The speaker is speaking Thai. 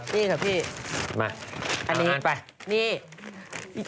นี่ค่ะพี่มาอันนี้ไปนี่